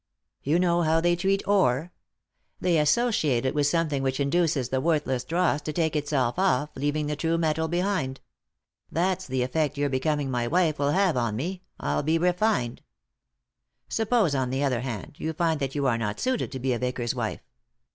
You know how they treat ore ? They associate it with something which induces the worthless dross to take itself off, leaving the true metal behind. That's the effect your becoming my wife will have on me — I'll be refined. Suppose, on the other hand, you find that you are not suited to be a vicar's wife.